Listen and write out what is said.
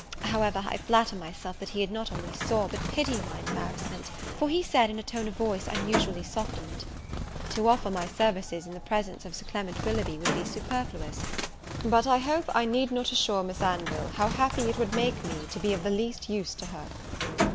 However, I flatter myself that he not only saw but pitied my embarrassment; for he said in a tone of voice unusually softened, "To offer my services in the presence of Sir Clement Willoughby would be superfluous; but I hope I need not assure Miss Anville how happy it would make me to be of the least use to her."